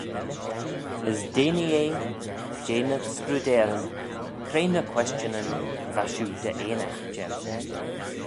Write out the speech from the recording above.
As denee eh jeh ny scrudeyryn, Cre ny questionyn va shiu dy enaght jeu?